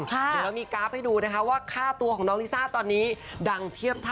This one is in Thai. เดี๋ยวเรามีกราฟให้ดูว่าค่าตัวของน้องลิซ่าตอนนี้